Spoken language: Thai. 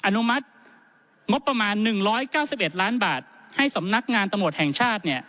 อนุมัติงบประมาณ๑๙๑ล้านบาทให้สำนักงานตำรวจแห่งชาติ